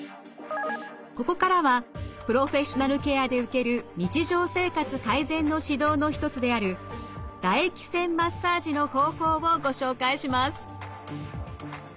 ここからはプロフェッショナルケアで受ける日常生活改善の指導の一つである唾液腺マッサージの方法をご紹介します。